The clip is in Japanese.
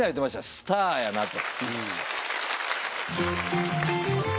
スターやなと。